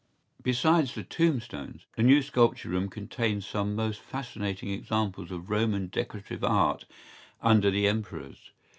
Besides the tombstones, the new Sculpture Room contains some most fascinating examples of Roman decorative art under the Emperors.